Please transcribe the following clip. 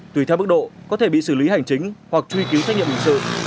tùy theo mức độ có thể bị xử lý hành chính hoặc truy cứu trách nhiệm hình sự